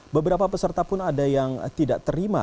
beberapa peserta pun ada yang tidak terima